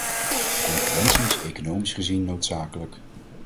Concurrentie is economisch gezien noodzakelijk.